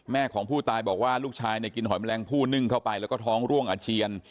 ของผู้ตายบอกว่าลูกชายกินหอยแมลงผู้นึ่งเข้าไปแล้วก็ท้องร่วงอาเจียน